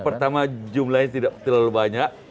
pertama jumlahnya tidak terlalu banyak